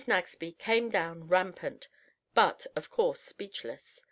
Nagsby came down rampant, but of course speechless.